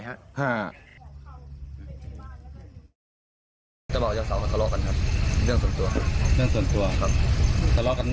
ห้า